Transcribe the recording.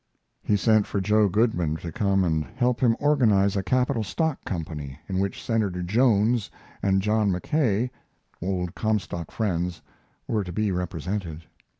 He sent for Joe Goodman to come and help him organize a capital stock company, in which Senator Jones and John Mackay, old Comstock friends, were to be represented.